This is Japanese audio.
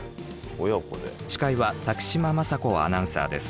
司会は滝島雅子アナウンサーです。